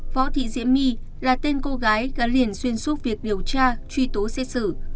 võ thị diễm my là tên cô gái gắn liền xuyên suốt việc điều tra truy tố xét xử